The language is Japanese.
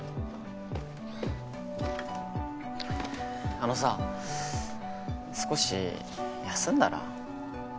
あのさ少し休んだら？